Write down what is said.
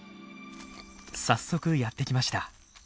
早速やってきました。